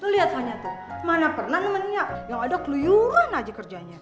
lo liat fanya tuh mana pernah nemenin yang ada keluyuan aja kerjanya